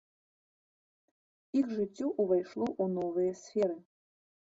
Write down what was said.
Іх жыццё ўвайшло ў новыя сферы.